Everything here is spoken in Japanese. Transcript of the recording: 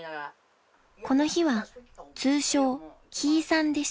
［この日は通称きいさんでした］